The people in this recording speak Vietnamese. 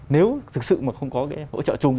nếu thực sự mà không có cái hỗ trợ chung